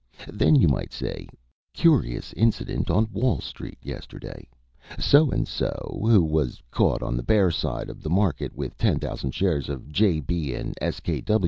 Then you might say: 'Curious incident on Wall Street yesterday. So and so, who was caught on the bear side of the market with 10,000 shares of J. B. & S.